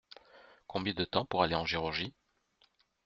Combien de temps pour aller en Géorgie ?